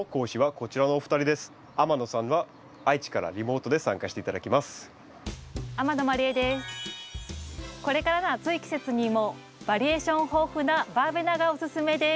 これからの暑い季節にもバリエーション豊富なバーベナがおすすめです。